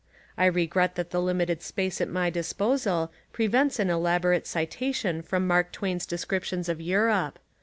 I regret that the limited space at my disposal prevents an elaborate citation from Mark Twain's descriptions of Europe.